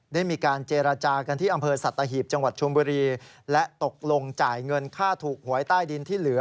ได้มีการเจรจากันที่อำเภอสัตว์ตะหีบจังหวัดชมบุรี